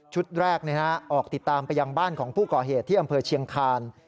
แรกออกติดตามไปยังบ้านของผู้ก่อเหตุที่อำเภอเชียงคาน